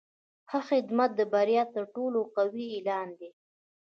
ښه خدمت د بری تر ټولو قوي اعلان دی.